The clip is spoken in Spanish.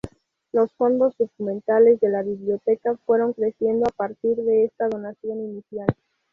Los fondos documentales de la biblioteca fueron creciendo a partir de esta donación inicial.